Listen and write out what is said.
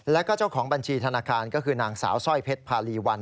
แล้วก็เจ้าของบัญชีธนาคารก็คือนางสาวสร้อยเพชรพารีวัน